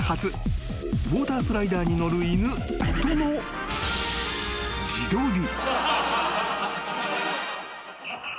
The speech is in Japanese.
［ウオータースライダーに乗る犬との自撮り］